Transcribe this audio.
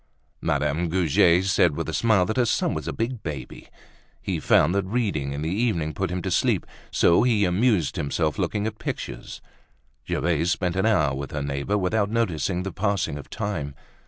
Madame Goujet said with a smile that her son was a big baby. He found that reading in the evening put him to sleep, so he amused himself looking at pictures. Gervaise spent an hour with her neighbor without noticing the passing of time.